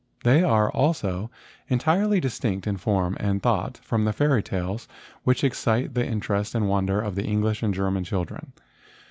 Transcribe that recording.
They are also entirely distinct in form and thought from the fairy tales which excite the interest and wonder of the English and German children.